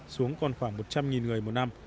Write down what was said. xuống còn khoảng một trăm linh người một năm